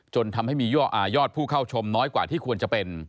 จนทำให้มียอดผู้เข้าชมน้อยกว่าที่ควรจะเป็น